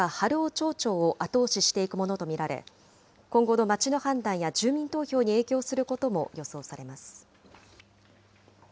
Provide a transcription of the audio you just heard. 町長を後押ししていくものと見られ、今後の町の判断や住民投票に影響することも予想されます。